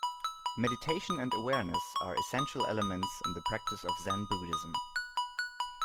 Meditation and awareness are essential elements in the practice of Zen Buddhism